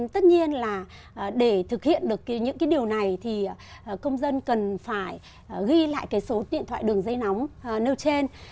tất nhiên là để thực hiện được những cái điều này thì công dân cần phải ghi lại cái số điện thoại đường dây nóng nêu trên